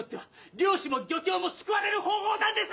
漁師も漁協も救われる方法なんです！